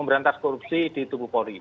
memberantas korupsi di tubuh polri